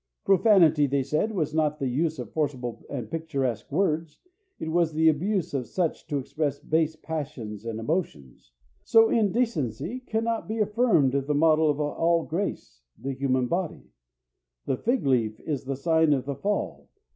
Profanity, they said, is not the use of forcible and picturesque words; it is the abuse of such to express base passions and emotions. So indecency cannot be affirmed of the model of all grace, the human body. The fig leaf is the sign of the fall.